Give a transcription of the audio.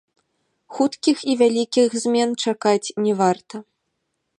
Хуткіх і вялікіх змен чакаць не варта.